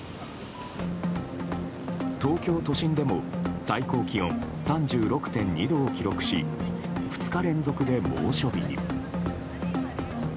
東京都心でも最高気温３６．２度を記録し２日連続で猛暑日に。